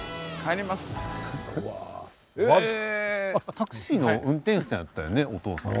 タクシーの運転手さんやったんやねお父さん。